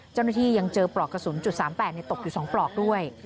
เจ้าหน้าที่ยังเจอปลอกกระสุน๓๘ตกอยู่๒ปลอกด้วย